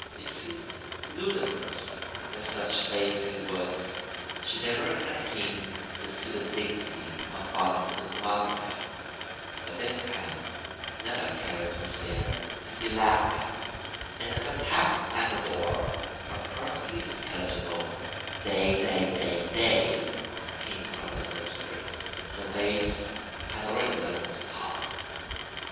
It seemed too ludicrous that such babes in the woods should ever attain to the dignity of fatherhood and motherhood; but this time neither parent was there to be laughed at, and as I tapped at the door a perfectly intelligible "Day day day day" came from the nursery; the babes had already learned to talk!